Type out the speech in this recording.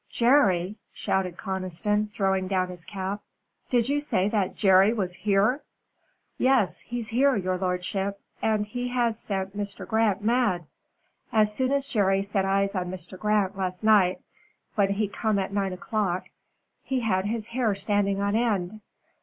"Jerry!" shouted Conniston, throwing down his cap. "Did you say that Jerry was here?" "Yes. He's here, your lordship, and he has sent Mr. Grant mad. As soon as Jerry set eyes on Mr. Grant last night, when he come at nine o'clock, he had his hair standing on end.